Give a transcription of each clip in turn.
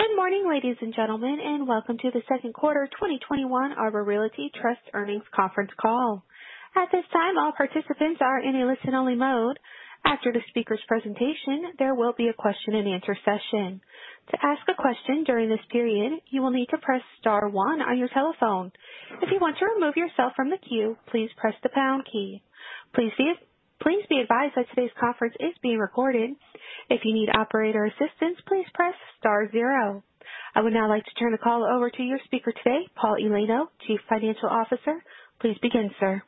Good morning, ladies and gentlemen, and welcome to the second quarter 2021 Arbor Realty Trust earnings conference call. At this time all participants are in a listen only mode. After the speaker's presentation there will be a question and answer session. To ask a question during this period, you will need to press star one on your telephone. If you want to remove yourself from the queue, please press the pound key. Please be advised today's conference is be recorded if you need operator assistance, please press star zero. I would now like to turn the call over to your speaker today, Paul Elenio, Chief Financial Officer. Please begin, sir.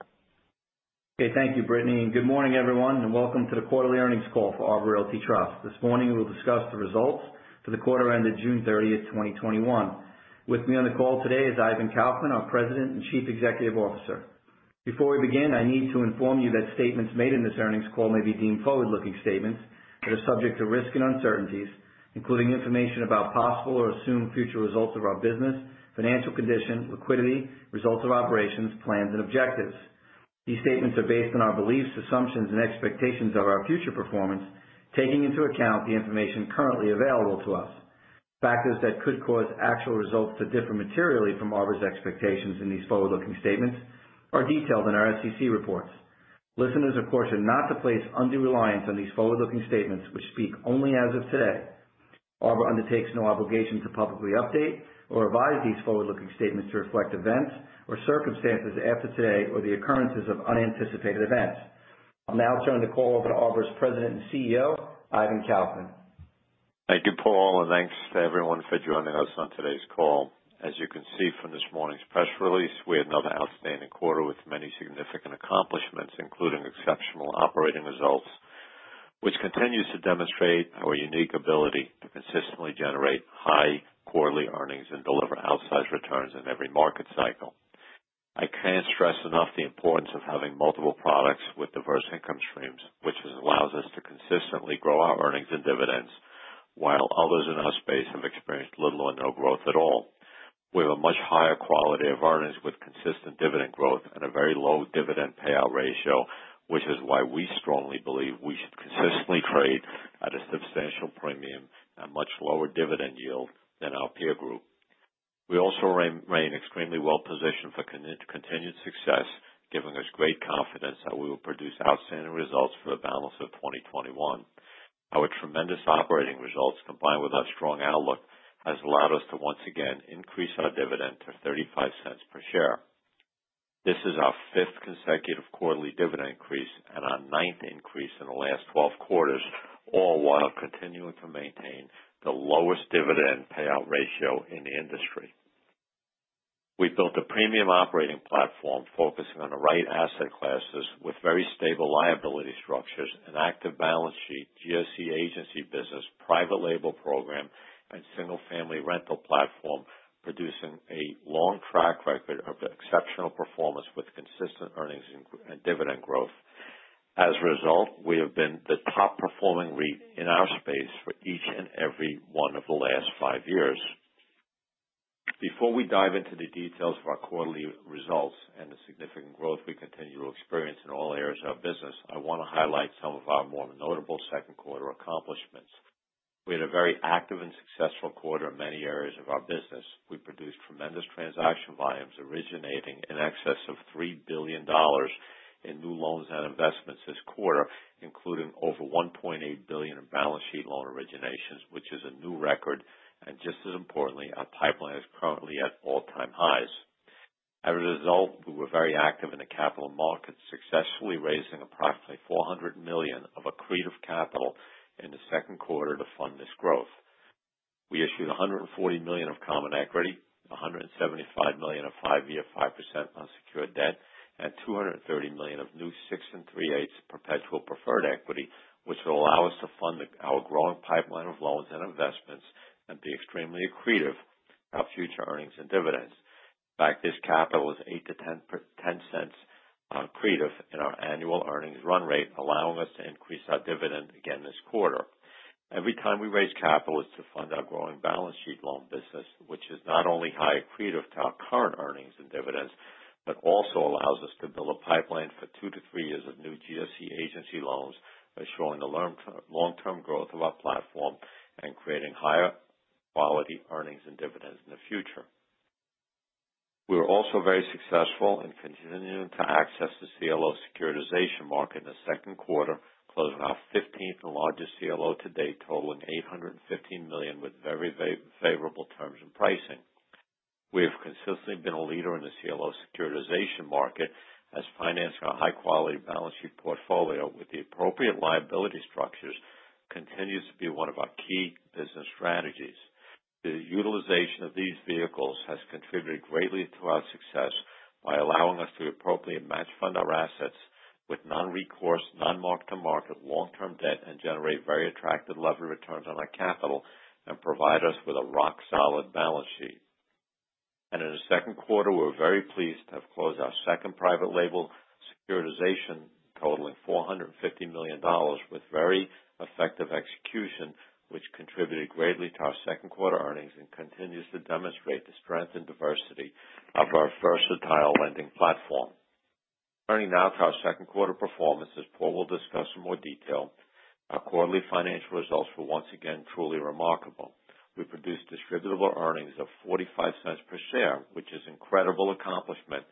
Okay. Thank you, Brittany, good morning everyone, welcome to the quarterly earnings call for Arbor Realty Trust. This morning, we'll discuss the results for the quarter ended June 30, 2021. With me on the call today is Ivan Kaufman, our President and Chief Executive Officer. Before we begin, I need to inform you that statements made in this earnings call may be deemed forward-looking statements that are subject to risks and uncertainties, including information about possible or assumed future results of our business, financial condition, liquidity, results of operations, plans, and objectives. These statements are based on our beliefs, assumptions, and expectations of our future performance, taking into account the information currently available to us. Factors that could cause actual results to differ materially from Arbor's expectations in these forward-looking statements are detailed in our SEC reports. Listeners are cautioned not to place undue reliance on these forward-looking statements, which speak only as of today. Arbor undertakes no obligation to publicly update or revise these forward-looking statements to reflect events or circumstances after today or the occurrences of unanticipated events. I'll now turn the call over to Arbor's President and CEO, Ivan Kaufman. Thank you, Paul, and thanks to everyone for joining us on today's call. As you can see from this morning's press release, we had another outstanding quarter with many significant accomplishments, including exceptional operating results, which continues to demonstrate our unique ability to consistently generate high quarterly earnings and deliver outsized returns in every market cycle. I can't stress enough the importance of having multiple products with diverse income streams, which allows us to consistently grow our earnings and dividends while others in our space have experienced little or no growth at all. We have a much higher quality of earnings with consistent dividend growth and a very low dividend payout ratio, which is why we strongly believe we should consistently trade at a substantial premium and much lower dividend yield than our peer group. We also remain extremely well-positioned for continued success, giving us great confidence that we will produce outstanding results for the balance of 2021. Our tremendous operating results, combined with our strong outlook, has allowed us to once again increase our dividend to $0.35 per share. This is our fifth consecutive quarterly dividend increase and our ninth increase in the last 12 quarters, all while continuing to maintain the lowest dividend payout ratio in the industry. We've built a premium operating platform focusing on the right asset classes with very stable liability structures and active balance sheet, GSE agency business, private label program, and single-family rental platform, producing a long track record of exceptional performance with consistent earnings and dividend growth. As a result, we have been the top-performing REIT in our space for each and every one of the last five years. Before we dive into the details of our quarterly results and the significant growth we continue to experience in all areas of business, I want to highlight some of our more notable second quarter accomplishments. We had a very active and successful quarter in many areas of our business. We produced tremendous transaction volumes, originating in excess of $3 billion in new loans and investments this quarter, including over $1.8 billion in balance sheet loan originations, which is a new record, and just as importantly, our pipeline is currently at all-time highs. As a result, we were very active in the capital markets, successfully raising approximately $400 million of accretive capital in the second quarter to fund this growth. We issued $140 million of common equity, $175 million of five year 5% unsecured debt, and $230 million of new six and three-eighths perpetual preferred equity, which will allow us to fund our growing pipeline of loans and investments and be extremely accretive to our future earnings and dividends. In fact, this capital is $0.08 to $0.10 accretive in our annual earnings run rate, allowing us to increase our dividend again this quarter. Every time we raise capital is to fund our growing balance sheet loan business, which is not only high accretive to our current earnings and dividends, but also allows us to build a pipeline for two to three years of new GSE agency loans, assuring the long-term growth of our platform and creating higher quality earnings and dividends in the future. We were also very successful in continuing to access the CLO securitization market in the second quarter, closing our 15th and largest CLO to date, totaling $815 million with very favorable terms and pricing. We have consistently been a leader in the CLO securitization market as financing our high-quality balance sheet portfolio with the appropriate liability structures continues to be one of our key business strategies. The utilization of these vehicles has contributed greatly to our success by allowing us to appropriately match fund our assets with non-recourse, non-mark-to-market long-term debt and generate very attractive levered returns on our capital and provide us with a rock-solid balance sheet. In the second quarter, we're very pleased to have closed our second private label securitization totaling $450 million with very effective execution, which contributed greatly to our second quarter earnings and continues to demonstrate the strength and diversity of our versatile lending platform. Turning now to our second quarter performance, as Paul will discuss in more detail, our quarterly financial results were once again truly remarkable. We produced distributable earnings of $0.45 per share, which is incredible accomplishment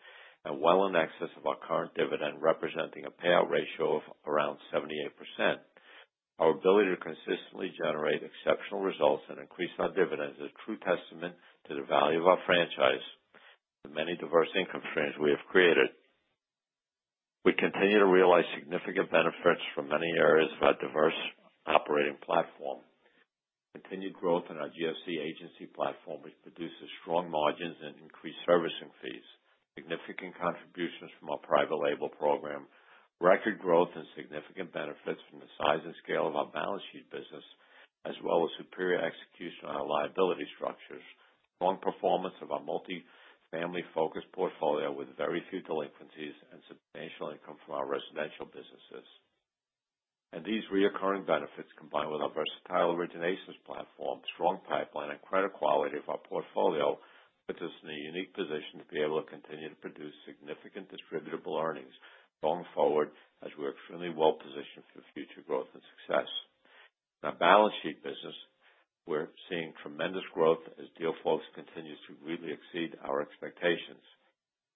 and well in excess of our current dividend, representing a payout ratio of around 78%. Our ability to consistently generate exceptional results and increase our dividends is a true testament to the value of our franchise and the many diverse income streams we have created. We continue to realize significant benefits from many areas of our diverse operating platform. Continued growth in our GSE agency platform, which produces strong margins and increased servicing fees, significant contributions from our private label program, record growth and significant benefits from the size and scale of our balance sheet business, as well as superior execution on our liability structures, strong performance of our multifamily-focused portfolio with very few delinquencies, and substantial income from our residential businesses. These recurring benefits, combined with our versatile originations platform, strong pipeline and credit quality of our portfolio, puts us in a unique position to be able to continue to produce significant distributable earnings going forward, as we're extremely well positioned for future growth and success. In our balance sheet business, we're seeing tremendous growth as deal flow continues to really exceed our expectations.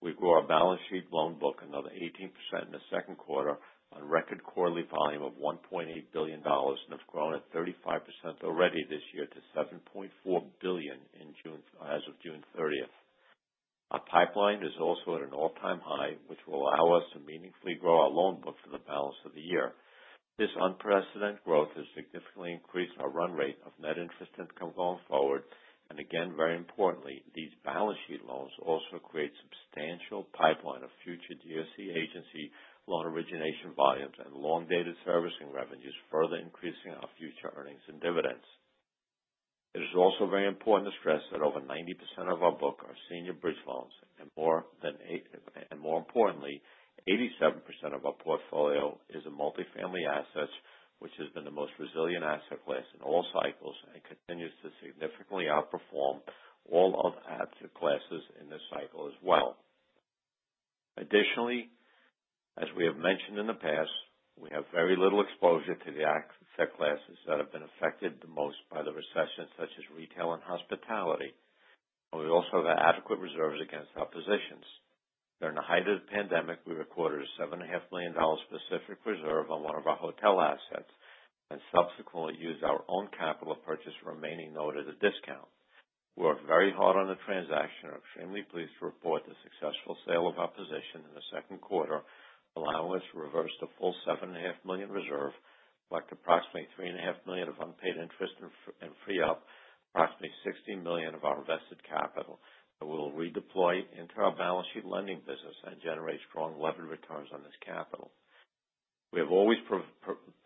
We grew our balance sheet loan book another 18% in the second quarter on record quarterly volume of $1.8 billion and have grown at 35% already this year to $7.4 billion as of June 30th. Our pipeline is also at an all-time high, which will allow us to meaningfully grow our loan book for the balance of the year. This unprecedented growth has significantly increased our run rate of net interest income going forward, and again, very importantly, these balance sheet loans also create substantial pipeline of future GSE agency loan origination volumes and long-dated servicing revenues, further increasing our future earnings and dividends. It is also very important to stress that over 90% of our book are senior bridge loans, and more importantly, 87% of our portfolio is in multifamily assets, which has been the most resilient asset class in all cycles and continues to significantly outperform all other asset classes in this cycle as well. Additionally, as we have mentioned in the past, we have very little exposure to the asset classes that have been affected the most by the recession, such as retail and hospitality, and we also have adequate reserves against our positions. During the height of the pandemic, we recorded a $7.5 million specific reserve on one of our hotel assets and subsequently used our own capital to purchase the remaining note at a discount. We worked very hard on the transaction and are extremely pleased to report the successful sale of our position in the second quarter, allowing us to reverse the full $7.5 million reserve, collect approximately $3.5 million of unpaid interest, and free up approximately $16 million of our invested capital that we'll redeploy into our balance sheet lending business and generate strong levered returns on this capital. We have always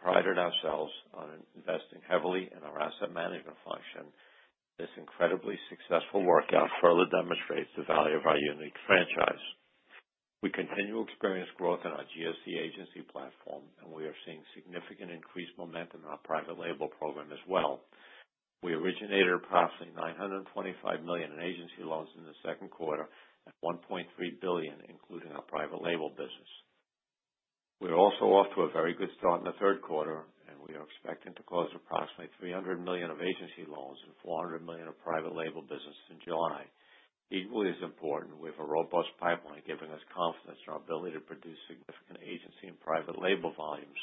prided ourselves on investing heavily in our asset management function. This incredibly successful workout further demonstrates the value of our unique franchise. We continue to experience growth in our GSE agency platform, and we are seeing significant increased momentum in our private label program as well. We originated approximately $925 million in agency loans in the second quarter and $1.3 billion, including our private label business. We're also off to a very good start in the third quarter, and we are expecting to close approximately $300 million of agency loans and $400 million of private label business in July. Equally as important, we have a robust pipeline giving us confidence in our ability to produce significant agency and private label volumes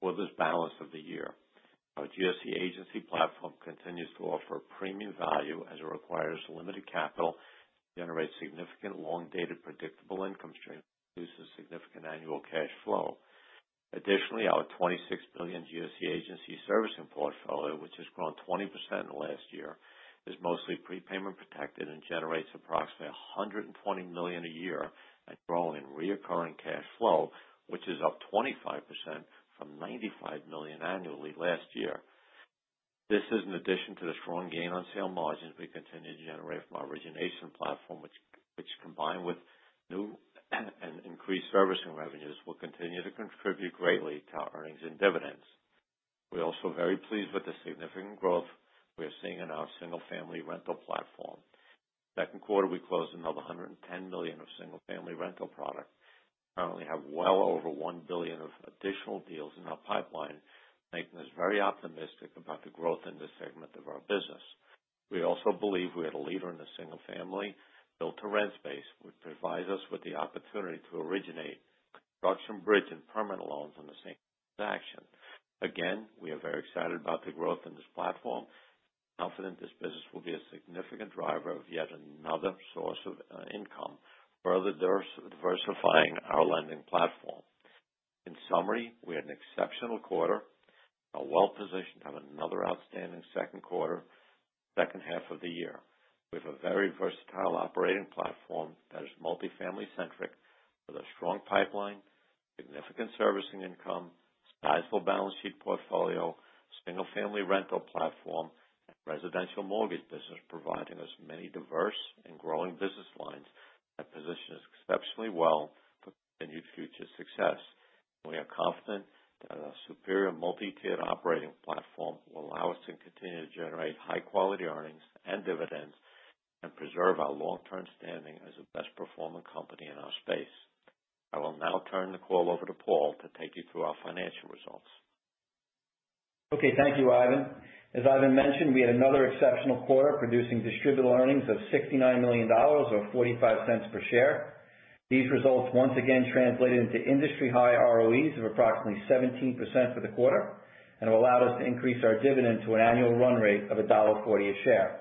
for this balance of the year. Our GSE agency platform continues to offer premium value as it requires limited capital to generate significant long-dated predictable income stream, produces significant annual cash flow. Additionally, our $26 billion GSE agency servicing portfolio, which has grown 20% in the last year, is mostly prepayment protected and generates approximately $120 million a year and growing in reoccurring cash flow, which is up 25% from $95 million annually last year. This is in addition to the strong gain on sale margins we continue to generate from our origination platform, which combined with new and increased servicing revenues will continue to contribute greatly to our earnings and dividends. We're also very pleased with the significant growth we are seeing in our single-family rental platform. Second quarter, we closed another $110 million of single-family rental product. We currently have well over $1 billion of additional deals in our pipeline, making us very optimistic about the growth in this segment of our business. We also believe we are the leader in the single-family build-to-rent space, which provides us with the opportunity to originate construction bridge and permanent loans on the same transaction. Again, we are very excited about the growth in this platform and confident this business will be a significant driver of yet another source of income, further diversifying our lending platform. In summary, we had an exceptional quarter and are well-positioned to have another outstanding second quarter, second half of the year. We have a very versatile operating platform that is multifamily centric with a strong pipeline, significant servicing income, sizable balance sheet portfolio, single-family rental platform, and residential mortgage business providing us many diverse and growing business lines that position us exceptionally well for continued future success. We are confident that our superior multi-tiered operating platform will allow us to continue to generate high-quality earnings and dividends and preserve our long-term standing as a best-performing company in our space. I will now turn the call over to Paul to take you through our financial results. Okay. Thank you, Ivan. As Ivan mentioned, we had another exceptional quarter producing distributable earnings of $69 million or $0.45 per share. These results once again translated into industry-high ROEs of approximately 17% for the quarter, and it allowed us to increase our dividend to an annual run rate of $1.40 a share.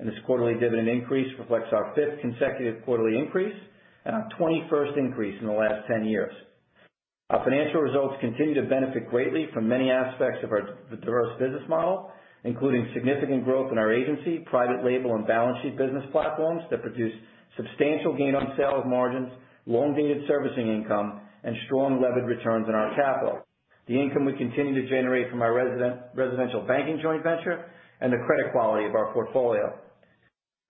This quarterly dividend increase reflects our fifth consecutive quarterly increase and our 21st increase in the last 10 years. Our financial results continue to benefit greatly from many aspects of our diverse business model, including significant growth in our agency, private label, and balance sheet business platforms that produce substantial gain on sale of margins, long-dated servicing income, strong levered returns on our capital, the income we continue to generate from our residential banking joint venture, and the credit quality of our portfolio.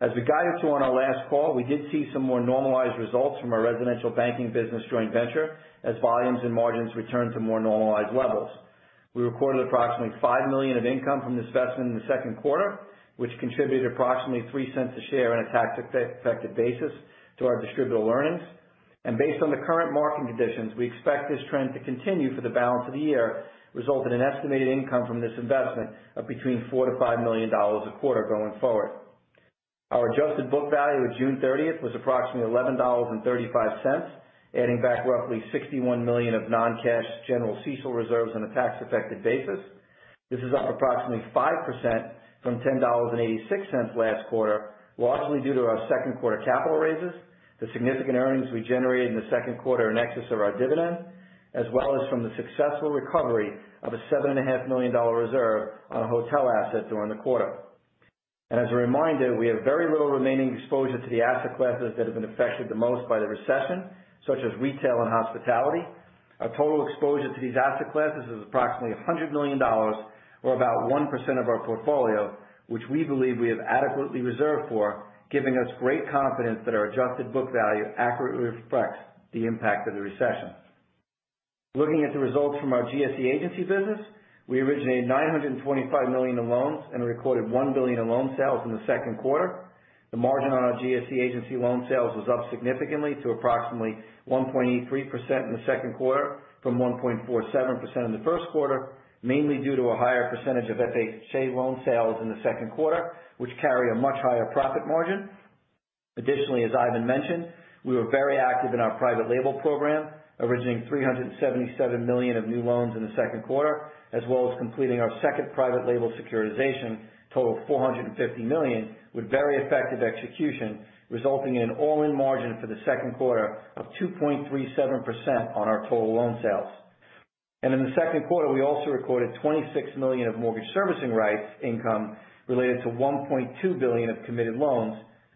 As we guided to on our last call, we did see some more normalized results from our residential banking business joint venture as volumes and margins returned to more normalized levels. We recorded approximately $5 million of income from this investment in the second quarter, which contributed approximately $0.03 a share on a tax-effective basis to our distributable earnings. Based on the current market conditions, we expect this trend to continue for the balance of the year, resulting in estimated income from this investment of between $4 million-$5 million a quarter going forward. Our adjusted book value at June 30th was approximately $11.35, adding back roughly $61 million of non-cash general CECL reserves on a tax-effective basis. This is up approximately 5% from $10.86 last quarter, largely due to our second quarter capital raises, the significant earnings we generated in the second quarter in excess of our dividend, as well as from the successful recovery of a $7.5 million reserve on a hotel asset during the quarter. As a reminder, we have very little remaining exposure to the asset classes that have been affected the most by the recession, such as retail and hospitality. Our total exposure to these asset classes is approximately $100 million or about 1% of our portfolio, which we believe we have adequately reserved for, giving us great confidence that our adjusted book value accurately reflects the impact of the recession. Looking at the results from our GSE agency business, we originated $925 million in loans and recorded $1 billion in loan sales in the second quarter. The margin on our GSE agency loan sales was up significantly to approximately 1.83% in the second quarter from 1.47% in the first quarter, mainly due to a higher percentage of FHA loan sales in the second quarter, which carry a much higher profit margin. Additionally, as Ivan mentioned, we were very active in our private label program, originating $377 million of new loans in the second quarter, as well as completing our second private label securitization total of $450 million with very effective execution, resulting in an all-in margin for the second quarter of 2.37% on our total loan sales. In the second quarter, we also recorded $26 million of mortgage servicing rights income related to $1.2 billion of committed loans,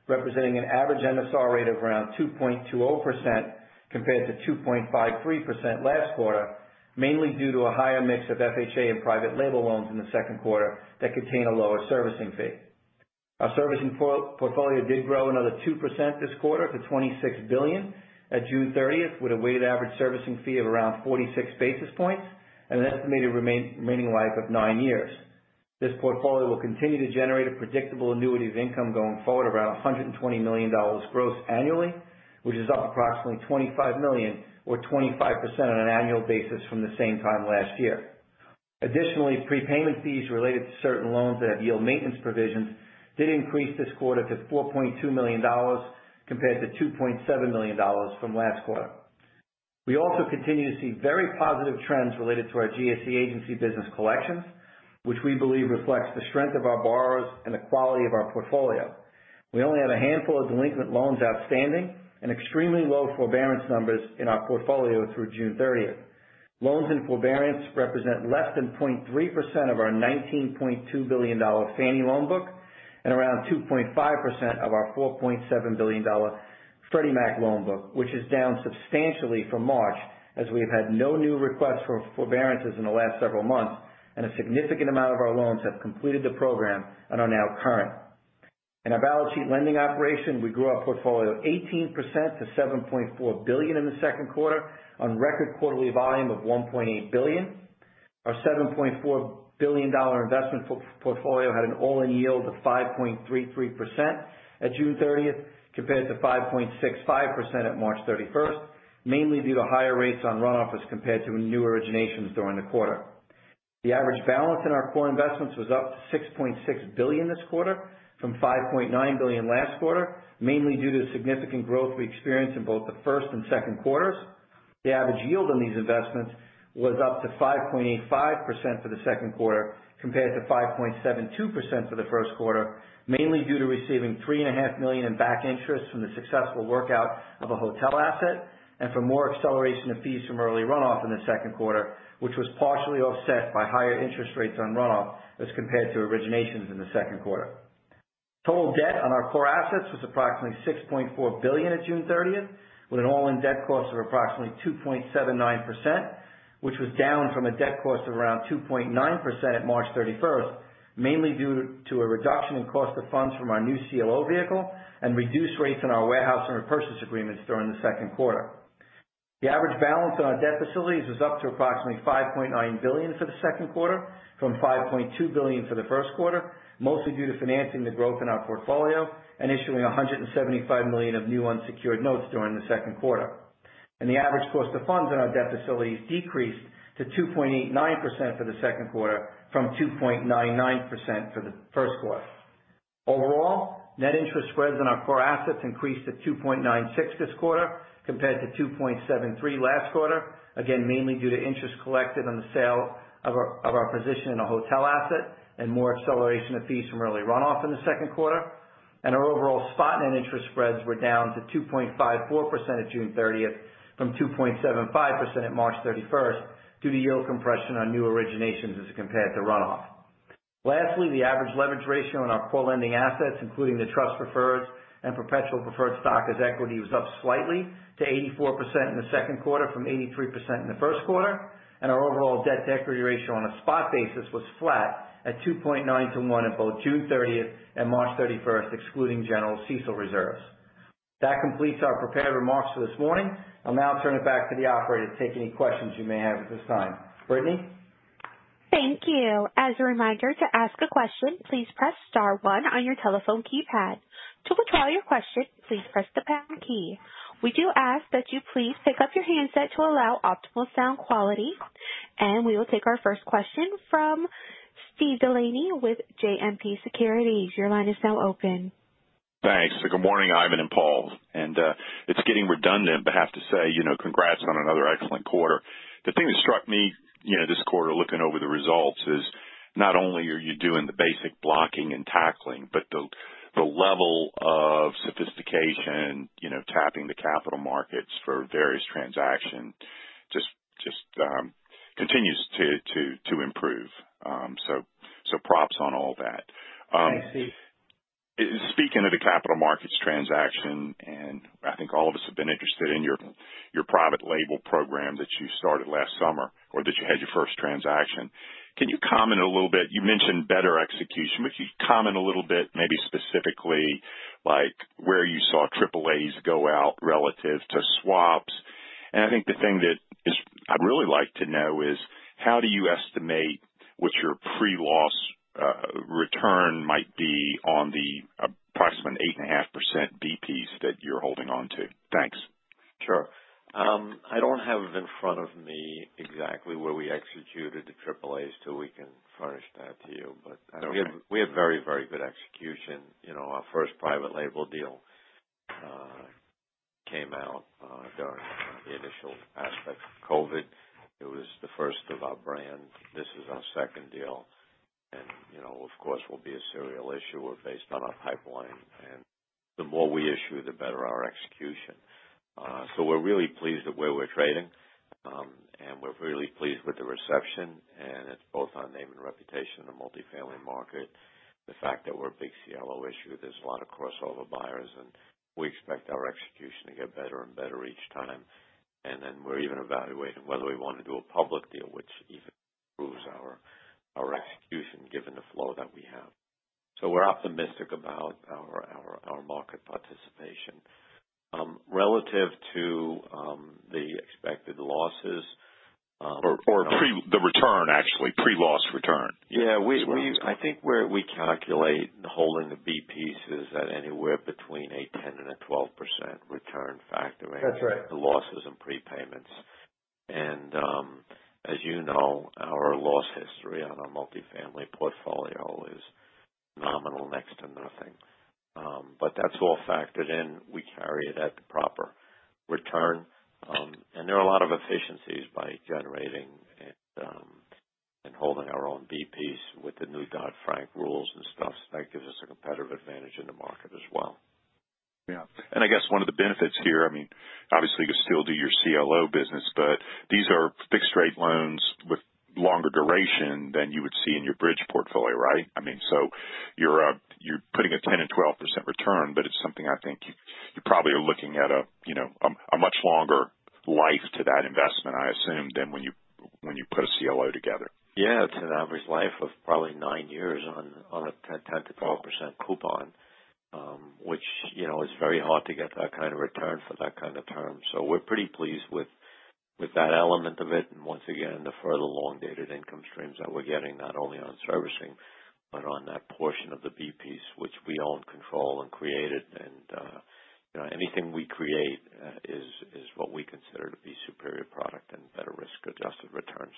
representing an average MSR rate of around 2.20% compared to 2.53% last quarter, mainly due to a higher mix of FHA and private label loans in the second quarter that contain a lower servicing fee. Our servicing portfolio did grow another 2% this quarter to $26 billion at June 30th, with a weighted average servicing fee of around 46 basis points and an estimated remaining life of nine years. This portfolio will continue to generate a predictable annuity of income going forward around $120 million gross annually, which is up approximately $25 million or 25% on an annual basis from the same time last year. Additionally, prepayment fees related to certain loans that yield maintenance provisions did increase this quarter to $4.2 million compared to $2.7 million from last quarter. We also continue to see very positive trends related to our GSE agency business collections, which we believe reflects the strength of our borrowers and the quality of our portfolio. We only have a handful of delinquent loans outstanding and extremely low forbearance numbers in our portfolio through June 30th. Loans in forbearance represent less than 0.3% of our $19.2 billion Fannie loan book and around 2.5% of our $4.7 billion Freddie Mac loan book, which is down substantially from March, as we have had no new requests for forbearances in the last several months, and a significant amount of our loans have completed the program and are now current. In our balance sheet lending operation, we grew our portfolio 18% to $7.4 billion in the second quarter on record quarterly volume of $1.8 billion. Our $7.4 billion investment portfolio had an all-in yield of 5.33% at June 30th compared to 5.65% at March 31st, mainly due to higher rates on runoff as compared to new originations during the quarter. The average balance in our core investments was up to $6.6 billion this quarter from $5.9 billion last quarter, mainly due to the significant growth we experienced in both the first and second quarters. The average yield on these investments was up to 5.85% for the second quarter compared to 5.72% for the first quarter, mainly due to receiving $3.5 million in back interest from the successful workout of a hotel asset and from more acceleration of fees from early runoff in the second quarter, which was partially offset by higher interest rates on runoff as compared to originations in the second quarter. Total debt on our core assets was approximately $6.4 billion at June 30th, with an all-in debt cost of approximately 2.79%, which was down from a debt cost of around 2.9% at March 31st, mainly due to a reduction in cost of funds from our new CLO vehicle and reduced rates in our warehouse and repurchase agreements during the second quarter. The average balance on our debt facilities was up to approximately $5.9 billion for the second quarter from $5.2 billion for the first quarter, mostly due to financing the growth in our portfolio and issuing $175 million of new unsecured notes during the second quarter. The average cost of funds on our debt facilities decreased to 2.89% for the second quarter from 2.99% for the first quarter. Overall, net interest spreads on our core assets increased to 2.96 this quarter compared to 2.73 last quarter, again, mainly due to interest collected on the sale of our position in a hotel asset and more acceleration of fees from early runoff in the second quarter. Our overall spot net interest spreads were down to 2.54% at June 30th from 2.75% at March 31st due to yield compression on new originations as compared to runoff. Lastly, the average leverage ratio on our core lending assets, including the trust preferreds and perpetual preferred stock as equity, was up slightly to 84% in the second quarter from 83% in the first quarter. Our overall debt-to-equity ratio on a spot basis was flat at 2.9 to one at both June 30th and March 31st, excluding general CECL reserves. That completes our prepared remarks for this morning. I'll now turn it back to the operator to take any questions you may have at this time. Brittany? Thank you. As a reminder, to ask a question, please press star one on your telephone keypad. To withdraw your question, please press the pound key. We do ask that you please pick up your handset to allow optimal sound quality. We will take our first question from Steve DeLaney with JMP Securities. Your line is now open. Thanks. Good morning, Ivan and Paul. It's getting redundant, but I have to say, congrats on another excellent quarter. The thing that struck me this quarter, looking over the results, is not only are you doing the basic blocking and tackling, but the level of sophistication, tapping the capital markets for various transactions just continues to improve. Props on all that. Thanks, Steve. Speaking of the capital markets transaction, I think all of us have been interested in your private label program that you started last summer or that you had your first transaction. Can you comment a little bit? You mentioned better execution. Would you comment a little bit maybe specifically like where you saw AAAs go out relative to swaps? I think the thing that I'd really like to know is how do you estimate what your pre-loss return might be on the approximate 8.5% B-piece that you're holding on to? Thanks. Sure. I don't have in front of me exactly where we executed the AAAs till we can furnish that to you. Okay. We had very good execution. Our first private label deal came out during the initial aspect of COVID. It was the first of our brand. This is our second deal. Of course, we'll be a serial issuer based on our pipeline. The more we issue, the better our execution. We're really pleased with where we're trading. We're really pleased with the reception. It's both our name and reputation in the multifamily market. The fact that we're a big CLO issuer, there's a lot of crossover buyers, and we expect our execution to get better and better each time. We're even evaluating whether we want to do a public deal, which even proves our execution given the flow that we have. We're optimistic about our market participation. Relative to the expected losses. The return actually. Pre-loss return. Yeah. I think where we calculate holding the B-piece is at anywhere between a 10% and a 12% return factor. That's right. the losses and prepayments. As you know, our loss history on our multifamily portfolio is nominal, next to nothing. That's all factored in. We carry it at the proper return. There are a lot of efficiencies by generating and holding our own B-piece with the new Dodd-Frank rules and stuff. That gives us a competitive advantage in the market as well. Yeah. I guess one of the benefits here, obviously you still do your CLO business, but these are fixed-rate loans with longer duration than you would see in your bridge portfolio, right? You're putting a 10% and 12% return, but it's something I think you probably are looking at a much longer life to that investment, I assume, than when you put a CLO together. It's an average life of probably nine years on a 10%-12% coupon. Is very hard to get that kind of return for that kind of term. We're pretty pleased with that element of it. Once again, the further long-dated income streams that we're getting not only on servicing but on that portion of the B-pieces, which we own, control, and created. Anything we create is what we consider to be superior product and better risk-adjusted returns.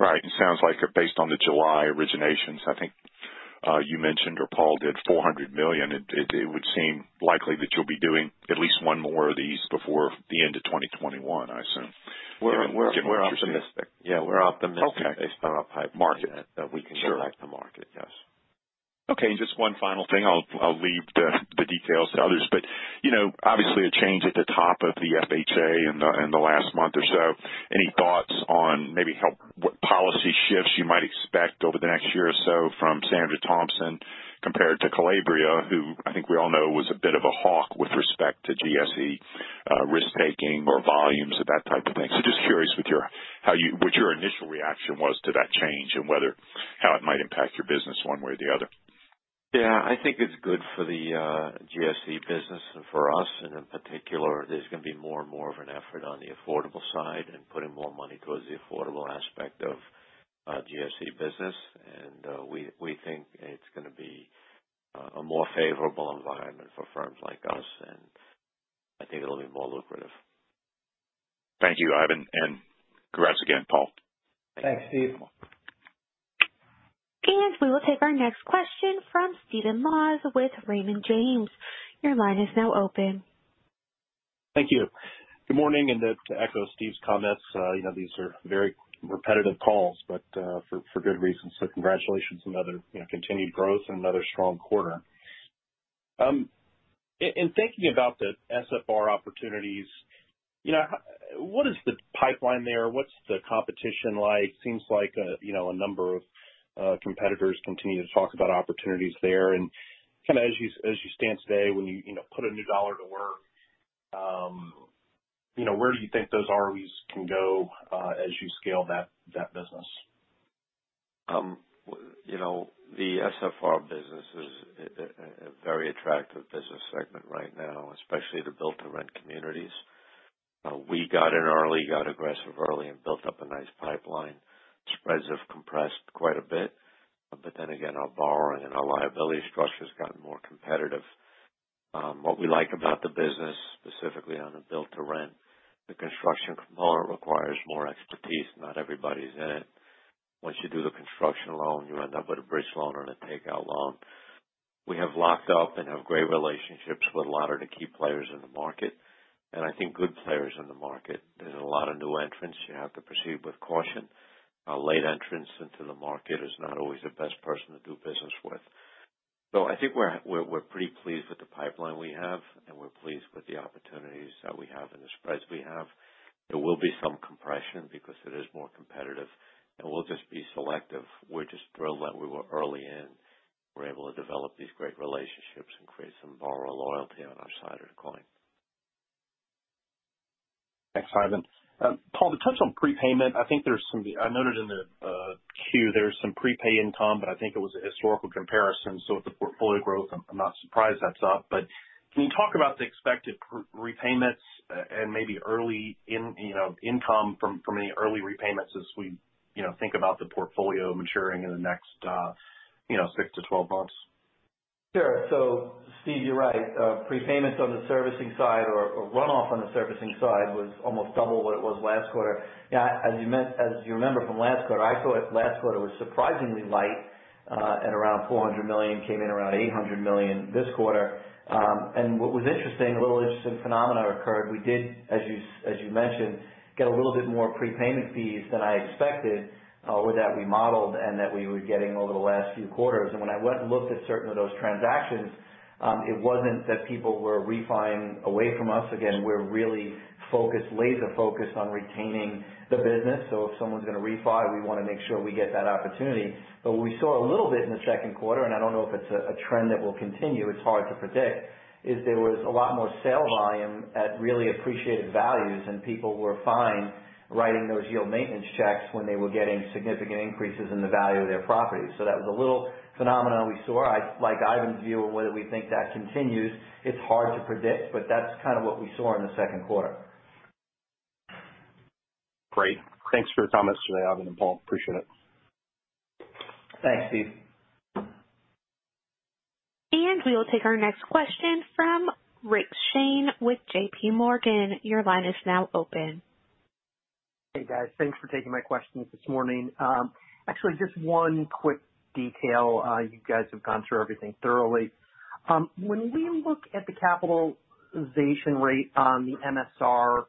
It sounds like based on the July originations, I think you mentioned or Paul did $400 million. It would seem likely that you'll be doing at least one more of these before the end of 2021, I assume. We're optimistic. Yeah. Okay. Based on our pipeline that we can go back to market. Yes. Okay. Just one final thing. I'll leave the details to others. Obviously a change at the top of the FHA in the last month or so. Any thoughts on maybe what policy shifts you might expect over the next year or so from Sandra Thompson compared to Calabria, who I think we all know was a bit of a hawk with respect to GSE risk-taking or volumes or that type of thing. Just curious what your initial reaction was to that change and how it might impact your business one way or the other. Yeah, I think it's good for the GSE business and for us. In particular, there's going to be more and more of an effort on the affordable side and putting more money towards the affordable aspect of GSE business. We think it's going to be a more favorable environment for firms like us, and I think it'll be more lucrative. Thank you, Ivan, and congrats again, Paul. Thanks, Steve. We will take our next question from Stephen Laws with Raymond James. Your line is now open. Thank you. Good morning. To echo Steve's comments, these are very repetitive calls, but for good reason. Congratulations on another continued growth and another strong quarter. In thinking about the SFR opportunities, what is the pipeline there? What's the competition like? Seems like a number of competitors continue to talk about opportunities there. As you stand today, when you put a new dollar to work, where do you think those ROEs can go as you scale that business? The SFR business is a very attractive business segment right now, especially the build-to-rent communities. We got in early, got aggressive early, and built up a nice pipeline. Spreads have compressed quite a bit. Our borrowing and our liability structure's gotten more competitive. What we like about the business, specifically on the build-to-rent, the construction component requires more expertise. Not everybody's in it. Once you do the construction loan, you end up with a bridge loan or a takeout loan. We have locked up and have great relationships with a lot of the key players in the market, and I think good players in the market. There's a lot of new entrants you have to proceed with caution. A late entrance into the market is not always the best person to do business with. I think we're pretty pleased with the pipeline we have, and we're pleased with the opportunities that we have and the spreads we have. There will be some compression because it is more competitive, and we'll just be selective. We're just thrilled that we were early in. We're able to develop these great relationships and create some borrower loyalty on our side of the coin. Thanks, Ivan. Paul, to touch on prepayment, I noted in the queue there was some prepay income, but I think it was a historical comparison. With the portfolio growth, I'm not surprised that's up. Can you talk about the expected prepayments and maybe early income from any early repayments as we think about the portfolio maturing in the next six to 12 months? Sure. Steve, you're right. Prepayments on the servicing side or runoff on the servicing side was almost double what it was last quarter. As you remember from last quarter, I thought last quarter was surprisingly light at around $400 million. Came in around $800 million this quarter. What was interesting, a little interesting phenomenon occurred. We did, as you mentioned, get a little bit more prepayment fees than I expected or that we modeled and that we were getting over the last few quarters. When I went and looked at certain of those transactions, it wasn't that people were refi-ing away from us. Again, we're really laser focused on retaining the business. If someone's going to refi, we want to make sure we get that opportunity. We saw a little bit in the second quarter, and I don't know if it's a trend that will continue. It's hard to predict. Is there was a lot more sale volume at really appreciated values, and people were fine writing those yield maintenance checks when they were getting significant increases in the value of their properties. That was a little phenomenon we saw. I like Ivan's view of whether we think that continues. It's hard to predict, but that's kind of what we saw in the second quarter. Great. Thanks for your comments today, Ivan and Paul. Appreciate it. Thanks, Steve. We will take our next question from Rick Shane with JPMorgan. Your line is now open. Hey, guys. Thanks for taking my questions this morning. Actually, just one quick detail. You guys have gone through everything thoroughly. When we look at the capitalization rate on the MSR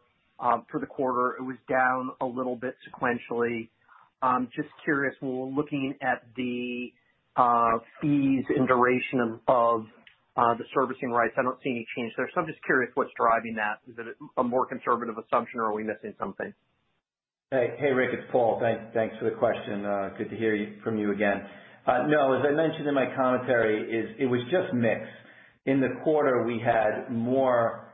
for the quarter, it was down a little bit sequentially. Just curious, when we're looking at the fees and duration of the servicing rights, I don't see any change there. I'm just curious what's driving that. Is it a more conservative assumption or are we missing something? Hey, Rick, it's Paul. Thanks for the question. Good to hear from you again. As I mentioned in my commentary, it was just mix. In the quarter, we had more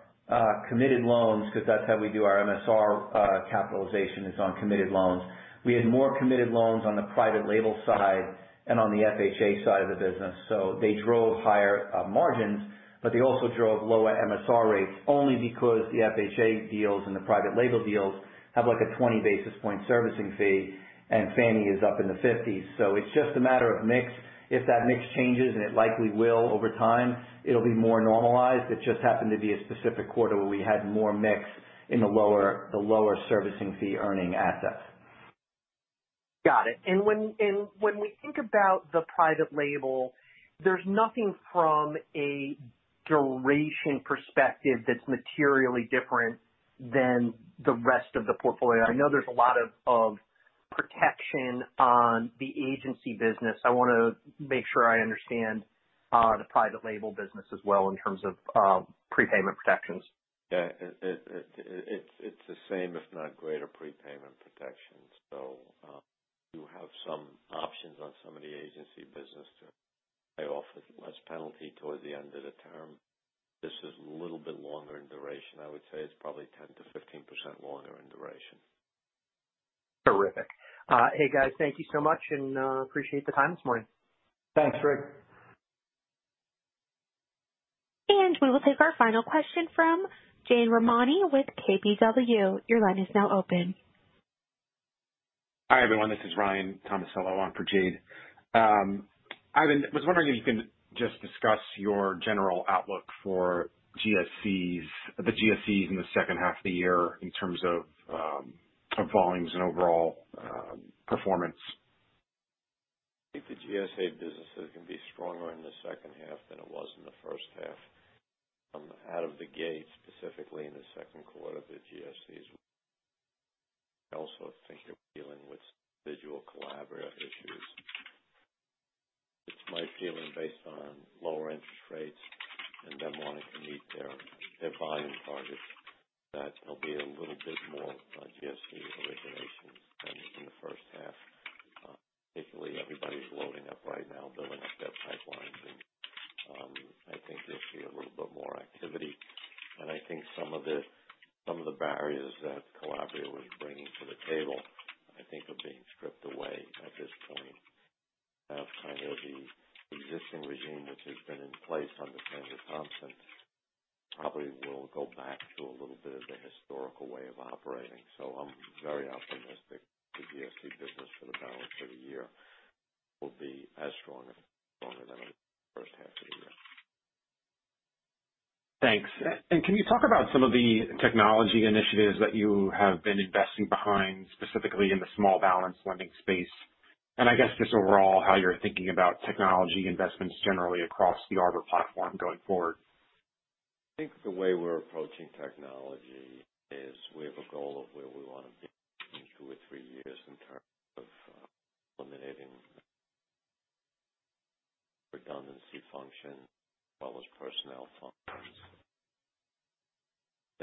committed loans because that's how we do our MSR capitalization is on committed loans. We had more committed loans on the private label side and on the FHA side of the business. They drove higher margins, but they also drove lower MSR rates only because the FHA deals and the private label deals have a 20 basis point servicing fee, and Fannie is up in the 50s. It's just a matter of mix. If that mix changes, and it likely will over time, it'll be more normalized. It just happened to be a specific quarter where we had more mix in the lower servicing fee earning assets. Got it. When we think about the private label, there's nothing from a duration perspective that's materially different than the rest of the portfolio. I know there's a lot of protection on the agency business. I want to make sure I understand the private label business as well in terms of prepayment protections. Yeah. It's the same, if not greater prepayment protection. You have some options on some of the agency business to pay off as much penalty towards the end of the term. This is a little bit longer in duration. I would say it's probably 10%-15% longer in duration. Terrific. Hey guys, thank you so much and appreciate the time this morning. Thanks, Rick. We will take our final question from Jade Rahmani with KBW. Your line is now open. Hi, everyone. This is Ryan Tomasello on for Jade. Ivan, was wondering if you can just discuss your general outlook for the GSEs in the second half of the year in terms of volumes and overall performance. I think the GSE business is going to be stronger in the second half than it was in the first half. Out of the gate, specifically in the second quarter, the GSEs. I also think you're dealing with individual Calabria issues. It's my feeling based on lower interest rates and them wanting to meet their volume targets, that there'll be a little bit more GSE origination than in the first half. Everybody's loading up right now, building up their pipelines, and I think you'll see a little bit more activity. I think some of the barriers that Calabria was bringing to the table, I think, are being stripped away at this point. The existing regime which has been in place under Sandra Thompson probably will go back to a little bit of the historical way of operating. I'm very optimistic the GSE business for the balance of the year will be stronger than the first half of the year. Thanks. Can you talk about some of the technology initiatives that you have been investing behind, specifically in the small balance lending space? I guess just overall, how you're thinking about technology investments generally across the Arbor platform going forward. I think the way we're approaching technology is we have a goal of where we want to be in two or three years in terms of eliminating redundancy function as well as personnel functions.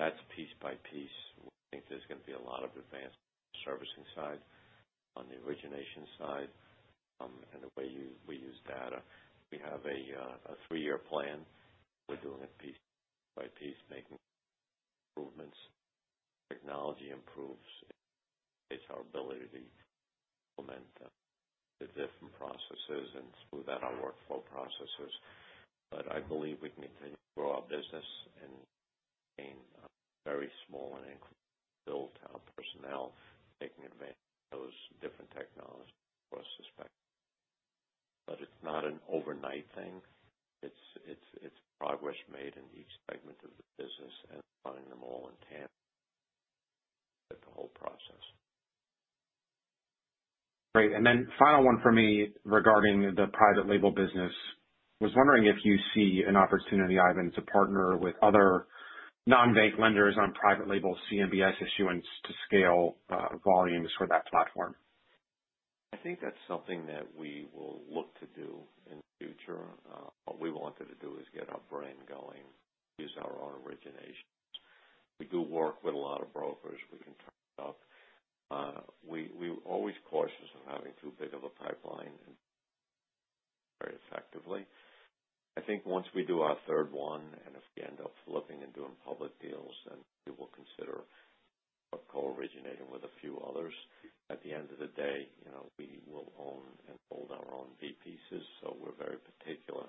That's piece by piece. I think there's going to be a lot of advancement on the servicing side, on the origination side, and the way we use data. We have a three year plan. We're doing it piece by piece, making improvements. Technology improves. It's our ability to implement the different processes and smooth out our workflow processes. I believe we can continue to grow our business and maintain a very small and increased build to our personnel, taking advantage of those different technologies across the spectrum. It's not an overnight thing. It's progress made in each segment of the business and finding them all in tandem with the whole process. Great. Final one for me regarding the private label business. I was wondering if you see an opportunity, Ivan, to partner with other non-bank lenders on private label CMBS issuance to scale volumes for that platform. I think that's something that we will look to do in the future. What we wanted to do is get our brand going, use our own originations. We do work with a lot of brokers. We can turn it up. We're always cautious of having too big of a pipeline and very effectively. I think once we do our third one, and if we end up flipping and doing public deals, then we will consider co-originating with a few others. At the end of the day, we will own and hold our own B-pieces, so we're very particular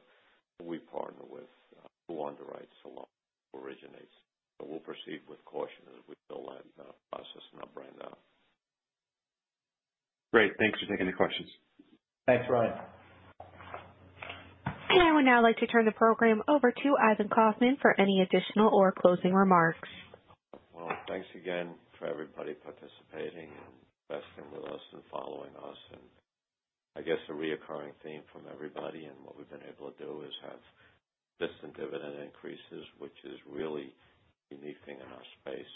who we partner with, who underwrites a lot, who originates. We'll proceed with caution as we build that process and our brand out. Great. Thanks for taking the questions. Thanks, Ryan. I would now like to turn the program over to Ivan Kaufman for any additional or closing remarks. Well, thanks again for everybody participating and investing with us and following us. I guess a recurring theme from everybody and what we've been able to do is have consistent dividend increases, which is really a unique thing in our space.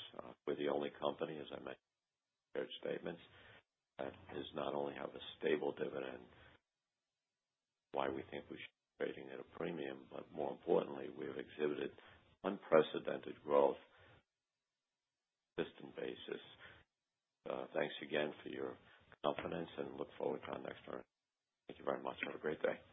We're the only company, as I mentioned in the prepared statements, that does not only have a stable dividend. Why we think we should be trading at a premium, but more importantly, we have exhibited unprecedented growth consistent basis. Thanks again for your confidence and look forward to our next earnings. Thank you very much. Have a great day.